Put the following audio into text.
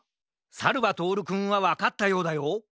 さるばとおるくんはわかったようだよ。